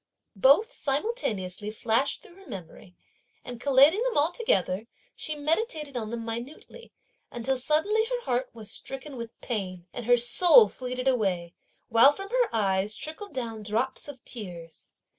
both simultaneously flashed through her memory; and, collating them all together, she meditated on them minutely, until suddenly her heart was stricken with pain and her soul fleeted away, while from her eyes trickled down drops of tears.